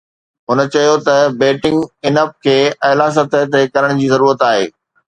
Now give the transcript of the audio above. هن چيو ته بيٽنگ ان اپ کي اعليٰ سطح تي ڪرڻ جي ضرورت آهي